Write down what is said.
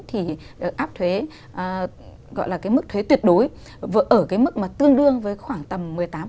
thì áp thuế gọi là cái mức thuế tuyệt đối ở cái mức mà tương đương với khoảng tầm một mươi tám